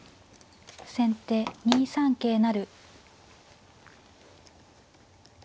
先手２三桂成。